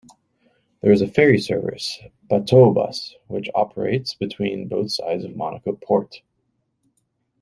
There is a ferry service "Bateaubus" which operates between both sides of Monaco port.